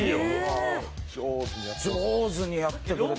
上手にやってくれた。